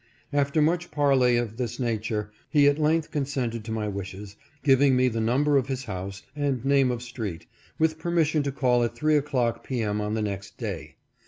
After much parley of this nature, he at length consented to my wishes, giving me the number of his house and name of street, with permission to call at three o'clock p. m. on the next day.